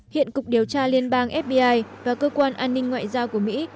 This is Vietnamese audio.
hiện cục điều tra liên bang fbi và cơ quan an ninh ngoại giao của mỹ